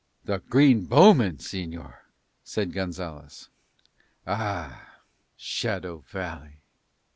"The green bowmen, señor," said Gonzalez. "Ah, Shadow Valley!"